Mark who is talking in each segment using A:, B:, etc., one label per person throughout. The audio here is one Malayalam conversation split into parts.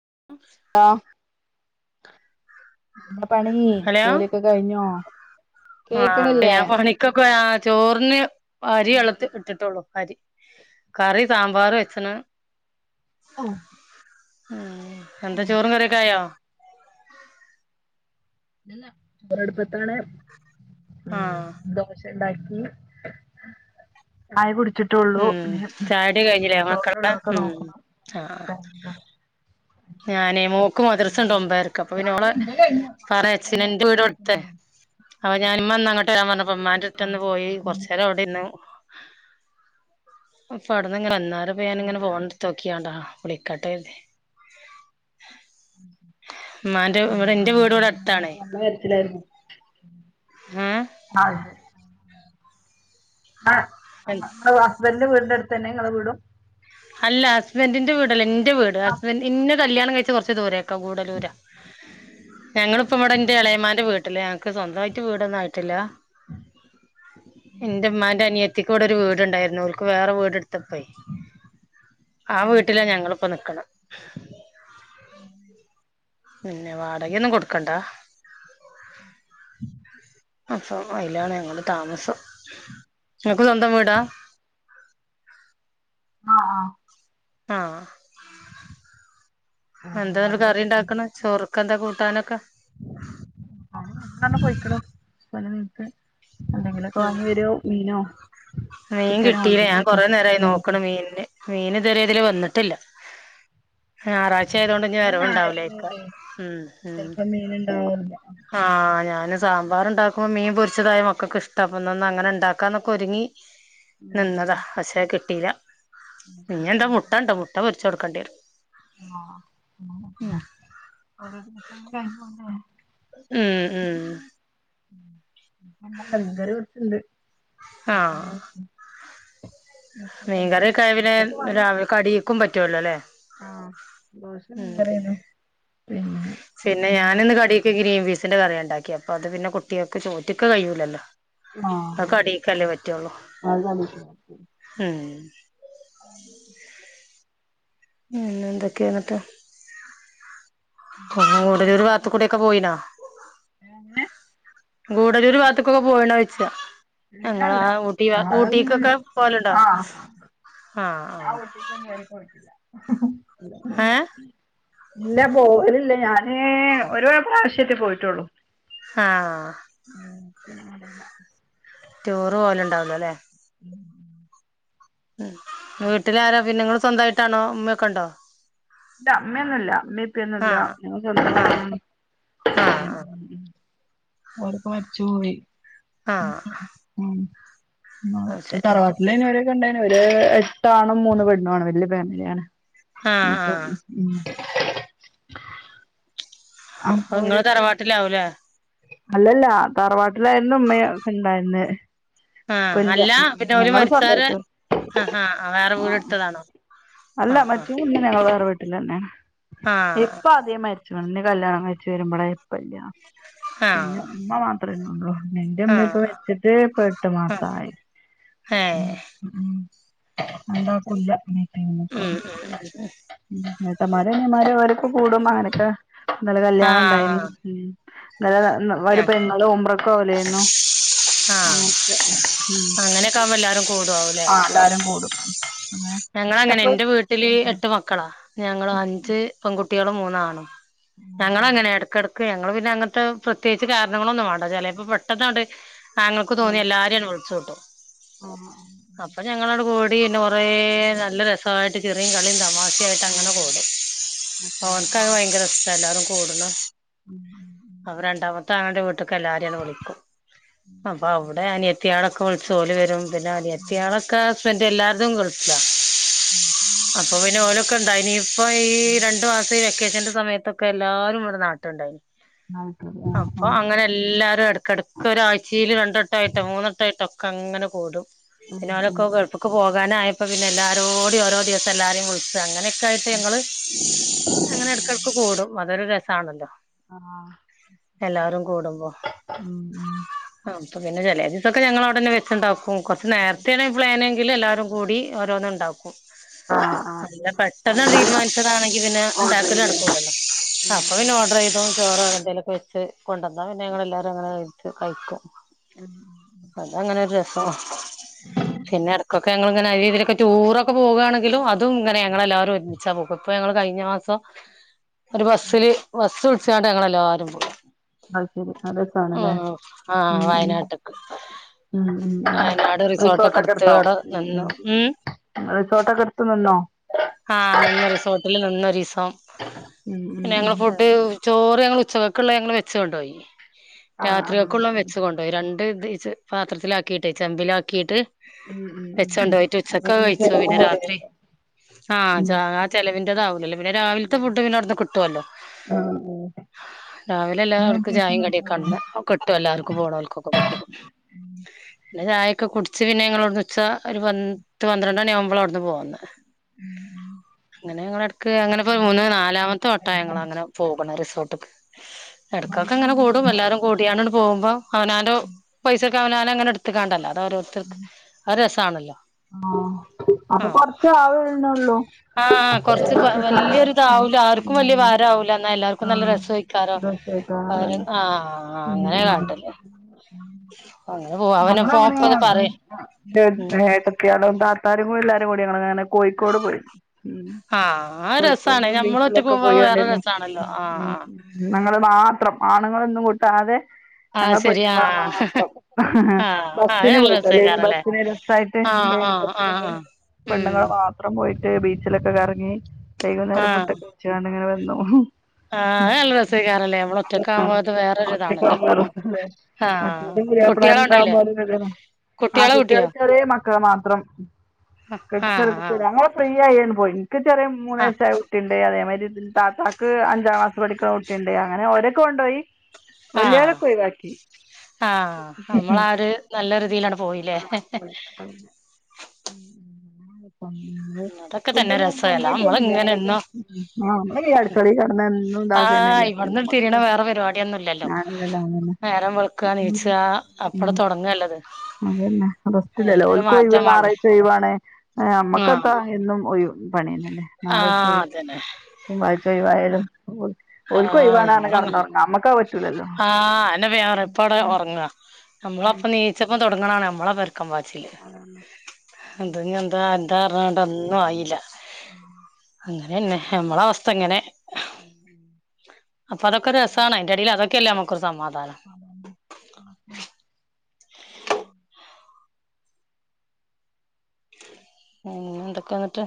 A: [unintelligible]
B: നമ്മെളെ പണി ജോലിയൊക്കെ കഴിഞ്ഞോ
A: ആ
B: കേക്കണില്ലേ
A: ഞാൻ പണിക്കൊക്കെ ആ ചോറിന് അരി
B: ജോലി
A: വെള്ളത്തിക്ക് ഇട്ടിട്ട് ഒള്ളു അരി. കറി സാമ്പാർ വെച്ചണ്
B: ആ.
A: ഉം എന്താ ചോറും കറിയും ഒക്കെ ആയോ
B: ചോറ് അടുപ്പത്താണ്.
A: ആഹ്
B: ദോശ ഉണ്ടാക്കി ചായ കുടിച്ചി ഇട്ടുള്ളൂ
A: ഉം
B: പി
A: ചായുടി കഴിഞ്ഞില്ലേ മക്കളുടെ
B: ചോറ്ള്ളൊക്കെ
A: ഉം
B: നോക്കണം
A: ആഹ് ഞാനേ മോ ഓക്ക് മദ്രസ ഉണ്ട് ഒമ്പതരക്ക് അപ്പൊ പിന്ന ഓളെ
B: ചായയുടെ ഇന്റെ കഴിഞ്ഞു
A: പറഞ്ഞയച്ചു
B: ആകെ
A: ഇന്റെ
B: മോനൊക്കെ
A: വീട് [unintelligible]
B: എണീറ്റിട്ടുള്ളൂ
A: അവ ഞാന് ഉമ്മന്ന് അങ്ങട്ട് വരാൻ പറഞ്ഞപ്പോ ഉമ്മാന്റെ അടുത്ത് ഒന്നു പോയി
B: ആഹ്
A: കൊറച്ചേരം അവിടെ ഇര്ന്ന്. [unintelligible] ലെ കട്ടായത്. ഇമ്മാന്റെ ഇവിടെ എന്റെ വീട് ഇവിടെ അടുത്താണ്
B: ആ വരത്തിലായിരുന്നു [unintelligible]
A: ഏഹ്
B: ആഹ് ഹസ്ബന്റിന്റെ വീടിന്റെ അടുത്ത് തന്നെ നിങ്ങളെ വീടും
A: അല്ല ഹസ്ബന്റിന്റെ വീടല്ലല്ല എന്റെ വീട്
B: ആഹ്
A: ഹസ്ബൻ്റ് ഇന്നെ കല്യാണം കഴിച്ച് കുറച്ച് ദൂരെ ക്ക ഗൂഡലൂരാ ഞങ്ങളിപ്പ ഇവിടെ എന്റെ എളയമാന്റെ വീട്ടി ട്ടില് ഞങ്ങക് സ്വന്തയിട്ട് വീടൊന്നും ആയിട്ടില്ല. എന്റമ്മാന്റെ അനിയത്തി ഇപ്പോവിടെ ഒരു വീടുണ്ടായിരുന്നു ഓല്ക് വേറെ വീടെടുത്തപ്പളേ ആ വീട്ടില ഞങ്ങളിപ്പോ നിക്ക്ണ്.
B: ഉം
A: പിന്നെ വാടക ഒന്നും കൊടുക്കണ്ടാ അപ്പൊ അയിലാണ് ഞങ്ങളെ താമസം നിനക്ക് സ്വന്തം വീടാ
B: ആഹ ആഹ
A: ആഹ്
B: ആഹ്
A: എന്താന
B: വാതില്
A: കറി
B: തുറന്നിട്ട്
A: ഉണ്ടാക്കണ ചോറുക്ക എന്താ കൂട്ടാനൊക്കെ
B: ആ ഇന്ന് പോയിക്ക്ണ് എന്തെങ്കിലൊക്കെ
A: ഉം
B: വാങ്ങി വരവും മീനോ.
A: മീൻ
B: ചിക്കനോ
A: കിട്ടിയില്ല ഞാൻ
B: എന്തെങ്കിലുമൊക്കെ
A: കൊറേ നേരായി നോക്ക്
B: ഉം
A: ണ് മീനിന്. മീൻ ഇതുവരെ ഇതിലെ വന്നിട്ടില്ല. ഞാറാഴ്ച ആയതുകൊണ്ട് ഇഞ്ഞ്
B: ഇന്ന്
A: വരവ് ഉണ്ടാവൂലെര്ക്കും ഉം, ഉം.
B: മീന് ഉണ്ടാവൂല്ല [unintelligible]
A: ആഹ് ഞാന് സാമ്പാറണ്ടാക്കും മീൻ പൊരിച്ചതായും ഒക്കൊക്കെ ഇഷ്ട അപ്പന്ന് അങ്ങനെ ഇണ്ടാക്കാന്നൊക്കെ ഒരുങ്ങി [inaudible] നിന്നതാ പക്ഷേ കിട്ടീല്ല ഇഞ്ഞ് എന്താ മുട്ട ഇണ്ട് മുട്ട പൊരിച്ച് കൊടുക്കണ്ടി വരും. ഉം
B: ആഹ് [unintelligible]
A: ഉം, ഉം.
B: ങ്കറി കുറച്ചുണ്ട് ഉണ്ട്
A: മീൻകറക്കെ ആയ പിനെ
B: എന്തെങ്കിലുമൊക്കെ വാങ്ങി
A: കടിക്കും പറ്റുവല്ലോ അല്ലേ
B: ആഹ് ദോശ
A: ഉം പിന്നെ
B: നിങ്ങടെയാണോ
A: പിന്നെ ഞാനിന്ന് കടീക്ക് ഗ്രീൻ പീസിന്റെ കറിയാ ഉണ്ടാക്കി അപ്പൊ അത് പിന്നെ കുട്ടികൾക്ക് ചോറ്റ്ക്ക് കയൂല്ലല്ലോ അത്
B: ആഹ്
A: കടീക്കല്ലേ പറ്റുള്ളു
B: അത്
A: ഉം പിന്ന എന്തൊക്കെന്ന്‌ട്ട്? ആ ഗൂഡല്ലൂര്
B: കണ്ടിട്ടില്ല
A: ഭാത്ത്ക്കൂടൊക്കെ പോയിനോ ഗൂടല്ലൂർ ഭാഗത്ത്ക്ക്ക്കെ പോയ്ണോയ്ച്ച ഞങ്ങളാ
B: ഇല്ലല്ല
A: ഊട്ടി
B: അതൊന്നും
A: ഊട്ടീക്കോക്കെ പോവലുണ്ടോ?
B: ആഹ്
A: ആഹ് ആഹ് ഏഹ്
B: [unintelligible] ഇല്ല പോവലില്ല. ഞാനെ ഒരു പ്രാവശ്യല്ല്യേ പോയിട്ടുള്ളൂ.
A: ആഹ
B: [inaudible]
A: ടൂറ് പോവല്ണ്ടാവൂല ലേ
B: ഉം
A: ഉം വീട്ടിലാരാപിന്നെ നിങ്ങൾ സ്വന്തായിട്ടാണോ ഉമ്മേക്കണ്ടോ
B: ഇല്ല അമ്മയൊന്നുല്ല അമ്മ ഇക്കയൊന്നുല്ല
A: ആഹ് ആഹ് ആഹ്
B: [inaudible]
A: ആഹ്
B: ഓലപ്പ മരിച്ചു പോയി
A: ആഹ്
B: [unintelligible] അ ന്ന
A: അത്
B: ഓല്
A: ശരി
B: തറവാട്ട ഇല്ല ഇന്നേരൊക്കെ ഉണ്ടായിന് ഒരു എട്ടാനും മൂന്ന് പെണ്ണും ആണ് വല് ഫാമിലിയണ്
A: ആഹ്
B: പ്പെ
A: ആഹ്
B: ഉം അപ്പൊ
A: ങ്ങള്
B: ഓരൊക്കെ
A: തറവാട്ടിലാവൂലേ
B: അല്ലല്ല താറവാട്ടിലായന്ന് ഉമ്മയ ണ്ടായിരുന്ന്
A: ആ അല്ല പിന്നോല് മരിച്ചാരെ
B: സ്വന്തായിട്ട്
A: അഹാ ആ വേറെ വീട് ട്ത്തതാണോ
B: അല്ല [unintelligible] വേറെ വീട്ടിലന്നെയാണ് ഇപ്പ ആദ്യമായി ചുണ്ണി കല്യാണം കഴിച്ച് വെരുമ്പളേ പ്പല്ല
A: ആഹ് ആഹ്
B: പിന്നെ ഉമ്മ മാത്രന്നേ ഉള്ളൂ ഇന്റെ ഉമ്മിം പ്പം
A: ആഹ്
B: മരിച്ചിട്ട് പ്പോ എട്ട്
A: ആഹ്
B: മാസായി ഉ
A: ഏഹ്
B: ഉം [unintelligible] ഉം
A: ഉം ഉം
B: ഏട്ടന്മാരും അനിയന്മാരും ഓലൊക്കെ കൂടുമ്പോ അങ്ങനൊക്കെ ഇന്നലെ കല്യാണം ണ്ടായിന്ന്
A: ആഹ്
B: ഉം ഇന്നലെ [unintelligible]
A: ആഹ്
B: പെങ്ങൾ ഉംറ പോലേനു
A: ആഹ്
B: അങ്ങനൊക്കെ ഉം
A: അങ്ങനെയൊക്കെ ആവുമ്പോ എല്ലാരും
B: ആഹ് എല്ലാരും കൂടും അങ്ങനെ
A: ഞങ്ങള അങ്ങനെ
B: എപ്പഴും
A: എന്റെ വീട്ടില് എട്ട്
B: ആഹ്
A: മക്കളാ ഞങ്ങള് അഞ്ച് പെൺകുട്ടിളും മൂന്നാന്നും ഞങ്ങളങ്ങനെയാ എടക്കെടുക്ക് ക്ക് ഞങ്ങള് പിന്നെ അങ്ങൻത്തെ പ്രത്യേകിച്ച് കാരണങ്ങളൊന്നും വാണ്ട ചെലേപ്പോ പെട്ടന്നാണ്ട് അങ്ങൾക്
B: ആഹ്
A: തോന്നിയ എല്ലാരിം ആൻഡ് വിളിച് കൂട്ടും
B: ആഹ്
A: അപ്പൊ [unintelligible] ഞങ്ങള ങ്ങു കൂടി കൊറെ നല്ല രസമായിട്ട് ചിറീം കളിയും തമാ [unintelligible]
B: ആഹ്
A: അങ്ങനെ പോണ്. ഓൻക്കത് ഭയങ്കര ഇഷ്ട്ടാട്ട എല്ലാരും കൂടുന്ന അപ്പൊ രണ്ടാമത്തെ ആള്ന്റെ വീട്ട്ക്കെല്ലാരേയ് വിളിക്കും അപ്പൊ അവടെ അനിയത്തിയാളൊക്കെ വിളിച്ച് ഓല് വെരും പിന്നെ അനിയത്തിയാളൊക്കെ ഹസ്ബൻ തെല്ലാര്തും ഗൾഫിലാ അപ്പൊ പിന്നെ ഓലൊക്കെ ഇണ്ടായ്നീ ഇപ്പ ഈ രണ്ടു മാസം ഈ വെക്കേഷന്റെ സമയ ത്തൊക്കെ എല്ലാരുംവടെ നാട്ട്ണ്ടായിനി
B: ആഹ് ആഹ് ആഹ്
A: അപ്പൊ
B: ആഹ്
A: അങ്ങനെ എല്ലാരും എടക്കെടക്കൊരാഴ്ച്ചീല് രണ്ടെട്ടായിട്ടോ മൂന്നെട്ടായിട്ടോ ഒക്കെ അങ്ങനെ കൂടും
B: ഉം
A: പിന്നോലൊക്കെ ഗൾഫ്ക് പോകാനായപ്പോ പിന്നെ എല്ലാരോടേം ഓരോ ദിവസം എല്ലാരേം വിളിച്ച് അങ്ങനെ ക്കായിട്ട് ഞങ്ങള് അങ്ങനെ എടക്കെടക്ക് കൂടും അതൊരു രസാണല്ലോ എല്ലാരും കൂടുമ്പോ
B: ആഹ്
A: ആ അപ്പൊ പിന്നെ ചെലേ ദിവസൊക്കെ ഞങ്ങളവിടെന്നെ വെച്ച്ണ്ടാക്കും കൊർച്ച് നേരത്തെണ് പ്ലാന് ഇല്ല ല്ലാരും കൂടി ഓരോന്ന്ണ്ടാക്കും
B: ആഹ് ആഹ്
A: അല്ല പെട്ടെന്നാണ്ട്
B: അല്ലെങ്കിൽ
A: തീരുമാനിച്ചതാണെങ്കി പിന്നെ
B: ഓർഡർ ചെയ്യൂല്ലേ
A: ണ്ടാക്കലടക്കൂല്ലല്ലോ
B: ഉം
A: അപ്പൊ
B: ഉം
A: പിന്നെ
B: ഉം
A: ഓഡറെയ്തു ചോറ് അങ്ങനെ എന്തേലൊക്കെ വെച്ച് കൊണ്ടന്നാ പിന്നെ ഞങ്ങളെല്ലാരും അങ്ങനെ കഴിക്കും കഴിക്കും
B: ഉം
A: അത അങ്ങനെരു രസ പിന്നെ എടക്കൊക്കെ ഞങ്ങള് ങ്ങനെ അതിലെ ഇതിലെക്കെ റ്റൂറൊക്കെ പോവാണ് ങ്കിലും അതും ഇങ്ങനെ ഞങ്ങളെല്ലാവരും ഒരുമിച്ചാ പോക്ക്, ഇപ്പ ഞങ്ങള് കഴിഞ്ഞ മാസം ഒരു ബസ്സ്ല് ബസ്സ് വിളിച്ചാണ്ട് ഞങ്ങളെല്ലാരും പോയി
B: അത് ശരി അത് രസാണല്ലേ
A: ഉം ആ
B: ഉം ഉം
A: വയനാട്ട്ക്ക്
B: ഉം ഉം ഉം
A: വയനാട് റിസോട്ടൊക്കെ
B: റിസോർട്ടൊക്കെ
A: ഇട്ത്ത് അവടെ നിന്നു മ്മ്
B: റിസോർട്ടൊക്കെട്ത്ത് നിന്നോ?
A: ആഹ് നിന്ന് റിസോർട്ടില് നിന്നൊരീസം.
B: ഉം ഉം
A: പിന്നെ
B: ഉം
A: ഞങ്ങള് ഫുഡ് ചോറ് ഞങ്ങൾ ഉച്ചകക്ക്ള്ള ഞങ്ങൾ വെച്ച് കൊണ്ടോയി
B: ആഹ് ആഹ്
A: രാത്രികൾക്കുള്ള
B: ശരി
A: വെച്ച് കൊ രണ്ട് ഇത് ച്ച് പാത്രത്തിലാക്കിട്ട് ചെമ്പിലാക്കിട്ട്
B: ഉം ഉം ഉം ഉം.
A: വെച്ചൊണ്ടോയിട്ട്
B: അപ്പൊ
A: ഉച്ചക്കത് കഴിച്ചു
B: ചെലവും
A: പിന്നെ രാത്രി
B: കുറയല്ലോ
A: ആ
B: ഉം
A: ജ ആ ചെലവിന്റെതാവുലല്ലോ പിന്നെ രാവിൽത്തെ ഫുഡ് പിന്നെ അവ്ട്ന്ന് കിട്ടല്ലോ
B: ആ, ആ. അങ്ങനെ
A: രാവിലെല്ലാർക്കും
B: വ്യത്യാസം
A: ചായിം
B: വരുന്നുല്ലേ
A: കടിയൊക്കെണ്ട് ഓൻ കെട്ടും എല്ലാർക്കും പോണോൽക്കൊക്കെ കിട്ടും പിന്നെ ചായക്കെ കുട്ച്ച് പിന്നെ ഞങ്ങളവിട്ന്ന് ഉച്ച ഒരു പത്ത് പന്ത്രണ്ടണി ആവുമ്പള അവ്ട്ന്ന് പോന്നത്
B: ഉം ഉ
A: അങ്ങനെ ഞങ്ങളെടക്ക് അങ്ങനെപ്പോ മൂന്ന് നാലാമത്തെ വട്ടാ ഞങ്ങളങ്ങനെ പോകണ റിസോർട്ട്ക്ക് എടക്കൊക്കെങ്ങനെ
B: വൈബാണല്ലേ
A: കൂടും എല്ലാരും കൂടിയാണ്ടണ്ട് പോകുമ്പോ അവനാന്റെ പൈസ അവനാനങ്ങനെ ട്ത്ത്ക്കാണ്ടല്ലൊ അത് ഓരോരുത്തര്ക്ക് അത് രസാണല്ലോ
B: ആ അപ്പോ
A: ആഹ്
B: കൊറച്ചാവ്ണോള്ളു
A: ആഹ് ആ കൊറച്ച് വലൊരി ഇതാ ആർക്കും വലിയ
B: ഉം
A: ഭാരംവൂല എന്നാൽ എല്ലാർക്കും നല്ല
B: ആഹ്
A: രസുയി
B: പ്രദേശക്കാരാണ്
A: [unintelligible] ആഹ്
B: ഉം
A: അങ്ങനെ
B: ഉം
A: കാട്ടല്ലേ. പറയും ഉം
B: [unintelligible] കൂട്ടാളും താത്തരും എല്ലാരും കൂടി എല്ലാരും ഞങ്ങൾ ഇങ്ങനെ കോഴിക്കോട് പോയി മ്മ്ഹ്
A: ആഹ് ആ
B: കോഴിക്കോട്
A: രസാണ് ഞമ്മള് ഒറ്റക്ക്
B: ബീച്ചിലൊക്കെ
A: പോകുമ്പോ അത് വേറെ
B: പോയണ്ടേനു
A: രസാണല്ലോ ആഹ്
B: മ്മ്ഹ് ഞങ്ങള് മാത്രം ആണുങ്ങളൊന്നും കൂട്ടാതെ
A: ആഹ് ആഹ്
B: ഞങ്ങള്
A: ശെരി
B: പെണ്ണുങ്ങള്
A: ആഹ്
B: മാത്രം
A: ആഹ് അത്
B: ബസ്സിന്
A: നല്ല
B: പോയിട്ടോ ലൈൻ
A: രസേയ്ക്കാരല്ലേ
B: ബസ്സിന് രസായിട്ട്
A: ആഹ്
B: ലൈൻ
A: ആഹ്
B: ബസ്സിന്
A: ആഹ് ആഹ് ഉം
B: പെണ്ണ്ങ്ങളെ മ മാത്രം പോയിട്ട് ബീച്ചിലൊക്കെ കറങ്ങി വൈകുന്നേരം ഫുഡൊക്കെ
A: ആഹ്
B: കൈച്ച് ക്കാണ്ട്ങ്ങനെ വന്നു
A: ആഹ് അത് നല്ല രസേക്കാരല്ലേ നമ്മള് ഒറ്റക്കാവുമ്പോ അത് വേറൊരിതാണല്ലോ ആഹ്
B: [unintelligible]
A: കുട്ടികള് ഉണ്ടായില്ലേ
B: ല്ലാരുണ്ടാവുമ്പോ അതും കെത്യേട
A: കുട്ടികളെ
B: ആങ്ങുട്ട്യാള്
A: കൂട്ടിയോ
B: ചെറിയ മക്കള് മാത്രം കെട്ടി
A: ആഹ്
B: [unintelligible]
A: ആഹ്
B: ഞങ്ങള് ഫ്രീയായന്ന് പോയി ഇൻക്ക് ചെറിയ
A: ആഹ്
B: മൂന്നയസ്സായ കു കുട്ടിണ്ട് അതേമാതിരി താത്താക്ക് അഞ്ചാം ക്ലാസ്സ് പഠിക്ക്ണ കുട്ടിണ്ട് അങ്ങനെ ഓരൊക്കെ കൊണ്ടോയി
A: ആഹ്
B: വലിയോരൊക്കെ ഒഴിവാക്കി
A: ആഹ് നമ്മളാ ഒര് നല്ല ഒര്തീലാണ്ട് പോയില്ലേ
B: ഉം ഹ്
A: [unintelligible] തന്നെ
B: ഫ്യൂഡന്നും
A: രസല്ല നമ്മള്
B: കൊണ്ടോയിട്ടൊന്നും ല്ല
A: ഇങ്ങനെ
B: ഏതായാലും
A: എന്നും
B: നമ്മളി അടക്കളികടന്നന്നും ഇണ്ടാക്കന്നല്ലേ
A: ഇവട്ന്ന് തിരിയ്ണ വേറെ പരിപാടിയൊന്നും ഇല്ലല്ലോ
B: ആണല്ലല്ലോ
A: നേരം വെള്ക്ക നീച്ചാ
B: ഉ അതന്നെ റസ്റ്റ്ല്ലല്ലോ
A: അയിനൊരു
B: ഓല്ക് ഒഴിവ്
A: മാറ്റം വേണ്ടേ
B: നാരാഴ്ച ലീവാണ്
A: ആഹ്
B: ഞമ്മക്കെത്താ എന്നും ഒയ് പണിയന്നല്ലെ ഞാറാഴ്ച്ച
A: ആഹ്
B: ഒയ്
A: അതന്നെ
B: [unintelligible] ഴ്ച്ച ഒയ്വായാലും
A: ആഹ് ഞമ്മളൊർങ്ങ ആഹ് [unintelligible] ഇപ്പവടെ ഒറങ്ങാ ഞമ്മളപ്പം നീച്ചപ്പം തൊടങ്ണാണ് ഞമ്മളെ പരക്കം പാച്ചില് ത് ഞ്ഞിയെ ന്താ എന്താ [unintelligible] ഒന്നായില്ല അങ്ങനെന്നെ നമ്മള അവസ്ഥ ഇങ്ങനെ
B: ഉം ഉം
A: അപ്പ അതൊക്കെ രസാണ്. അതിന്റെടിയിൽ അതൊക്കെയല്ലേ നമക്കൊരു സമാധാനം.
B: അതെ
A: [unintelligible] എന്തൊക്കെ ന്ന്ട്ട്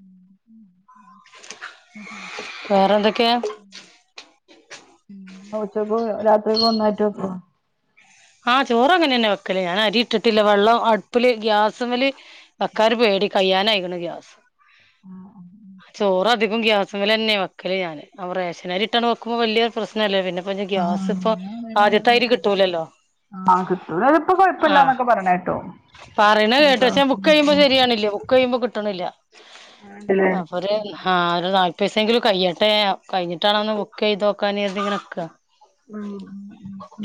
B: ഉം ഉം
A: വേറെ എന്തൊക്കെയ
B: ഉച്ചയ്ക്കും രാത്രിക്കും ഒന്നായിട്ട് വെക്കോ
A: ആഹ് ചോറ് അങ്ങനെ തന്നെ വെക്കലേ ഞാൻ അരി ഇട്ടിട്ടില്ല വെള്ളം അടുപ്പില് ഗ്യാസുമേല് വക്കാന് പേടി കയ്യാനനിക്ണ് ഗ്യാസ് ചോറധികും ഗ്യാസ്മ്മെലെന്നെ വെ. ക്കല് ഞാൻ [unintelligible] റേഷനരിയിട്ട് വെക്കുമ്പോ വലിയ പ്രശ്നം ഇല്ല പിന്നെഇപ്പം ഗ്യാസ് പ്പൊ. ആദ്യത്തായിരി കിട്ടൂലല്ലോ.
B: ആഹ കിട്ടൂപ്പൊ
A: ആഹ്
B: കൊഴപ്പില്ലാന്നൊക്കെ പറഞ്ഞ കേട്ടു
A: പറയണ കേട്ട് പക്ഷെ ബുക്ക് ചെയ്യൂമ്പോ ശരിയണില്ല ബുക്ക് ചെയ്യുമ്പോ കിട്ടണില്ല അപ്പോര് ആഹ് ഒരു നാല് അഞ്ചു ദിസെങ്കിലും കഴിയ്യട്ടെ കഴിഞ്ഞിട്ടാണം ഒന്ന് ബുക്ക് ചെയ്തോക്കാൻ തിങ്ങനെ നിക്ക.
B: ഉ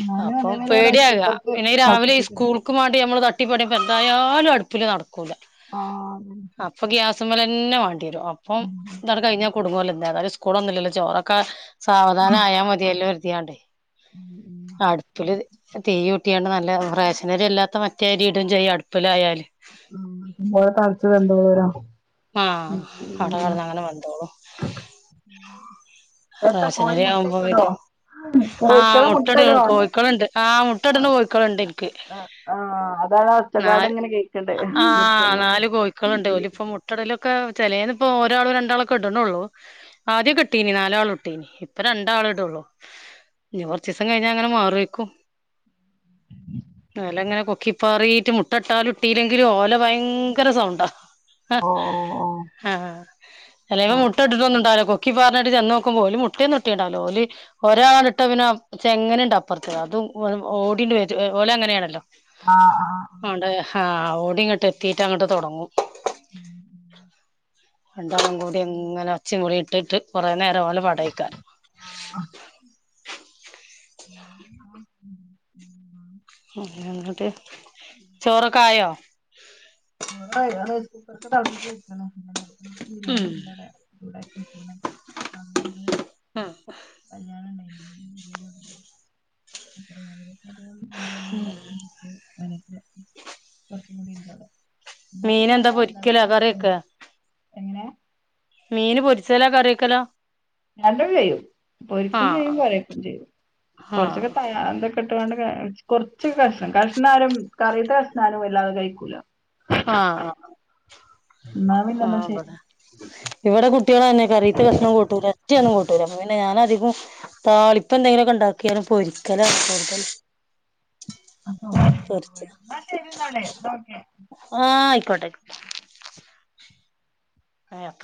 B: ഞാനും അതെ
A: പേടിയല്ല ഇനി രാവിലെ ഈ സ്കൂൾ [unintelligible] നമ്മള് തട്ടിപ്പണിയൊക്കെ എന്തായാലും അടുപ്പില് നടക്കൂല
B: ആഹ് അതന്നെ
A: അ. ഇപ്പൊ ഗ്യാസുംമേൽ തന്നെ വേണ്ടി വരും അപ്പം ഇ കഴിഞ്ഞ കുടുങ്ങൊല്ലോത സ്കൂളൊന്നുല്ലല്ലോ ചോറൊക്കെ സാവധാനം ആയാ മതിയല്ലോരുതിയാണ്ടേയ്. അടുത്തുല് തീ കൂട്ടിയാണ്ട് നല്ലറേഷനരി അല്ലാത്ത മറ്റേരി ഇടും ചെയ്യ അടുപ്പിലായാല്
B: മ്മ് പോലെ തളച്ചു വന്തുപോവരാ.
A: ആഹ അവിടെ കടന്ന് അങ്ങനെ വെന്തോളും
B: എത്ത കോയി
A: റേഷനരി ആവുമ്പോ
B: മുട്ടക്കിടോ
A: ആഹ
B: കോഴിക്കള്
A: മുട്ടട
B: മുട്ടടോ
A: കോഴിക്കളുണ്ട് ആ് മുട്ട ഇടന്ന് കോഴിക്കളുണ്ട് എനിക്ക്
B: ആഹ് ആഹ് അതാണ് ആ ഒച്ചക്കാട്
A: നാല്
B: ഇങ്ങനെ കേക്കണ്ട്
A: അആ
B: മുറ്റന്നൊക്കെ
A: നാല് കോഴിക്കള്ണ്ട് ഓലിപ്പം മുട് കടേലൊക്കെ ചെലേത്പ്പോ ഒരാളും രണ്ടാളൊക്കെ ഇടുണുള്ളൂ ആദ്യം കെട്ടീനീ നാലാളും. [unintelligible] ഇനി കുറച്ച് ദിവസം കഴിഞ്ഞ അങ്ങനെ മാറോക്കും. [unintelligible] [unintelligible] മുട്ട ഇട്ടാലും ഇട്ടില്ലെങ്കിലും ഓല ഭയങ്കര സൗണ്ടാ
B: ഓ ഓ
A: ആഹ ചിലവ
B: ഓ
A: മുട്ട ഇട്ടിട്ടൊന്നും ഉണ്ടാവില്ലോ കൊക്കി പറ പറഞ്ഞിട്ട് ചെന്ന [unintelligible] ഒരാളാണ് ഇട്ട പിന്നെ ചെങ്ങനുണ്ട് അപ്പുറത്ത് അതും ഓടണ്ട ഓല അങ്ങനെയാണല്ലോ
B: ആഹ് ആഹ
A: അണ്ട് ആഹ് ഓടി ഇങ്ങോട്ട് എത്തിട്ട് അങ്ങോട്ട് തുടങ്ങും
B: ഉം
A: രണ്ടാളും കൂടി എങ്ങനെ ഒച്ചയും വിളി ഇട്ടിട്ട് കുറെേ നേരം പോലെ പാടേക്കാരം
B: ആഹ
A: [inaudible] എന്നിട്ട് ചോറൊക്കെ ആയോ
B: ഓ റൈസ് കുക്കർ ഒക്കെ തിളപ്പിച്ച്‌ വെക്കണം
A: ഉം
B: ബിരിയാണി ഉണ്ട്ട [unintelligible] കല്ല്യാണണ്ടായ്ഞ്ഞു [inaudible] രാവിലെല അന കുറച്ചും കൂടി ഇണ്ടടെ
A: മീൻ ന്താ പൊരിക്കലോ കറിവെക്കെ?
B: എങ്ങനെ?
A: മീന് പൊരിച്ചലാ കറിക്കലോ
B: രണ്ടും ചെയ്യും പൊരിക്കും ചെയ്യും
A: ആഹ്
B: കറിവെക്കും ചെയ്യും കുറച്ചൊക്കെ
A: ആഹ്
B: തയാന്തക്ക്. കെട്ടുകണ്ട് കൊറച്ച് കഷ്ണം കഷ്ണാരും കറിയത്ത കഷ്ണാരും വല്ലാതെ കഴിക്കൂല
A: ആഹ ആ
B: എന്നാ
A: ഹാ
B: പിന്നെന്നാ ശരി
A: വെടെ ഇവിടെ കുട്ടികള തന്നെ കറീത്ത് കഷ്ണം കൂട്ടൂല ഒറ്റ ഒരെണ്ണം കൂട്ടൂല പിന്നെ ഞാൻ അധികം താളിപ്പൊ എന്തെങ്കിലുമൊക്കെ ഉണ്ടാക്കിയാലും പൊരിക്കല കൂടുതൽ
B: അ എന്നാ ശരി ന്നാൽ ഒക്കെ
A: ആഹ ആയിക്കോട്ടെ [unintelligible]